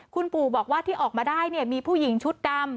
คุณปู่บอกว่าที่ออกมาได้มีผู้หญิงชุดดำ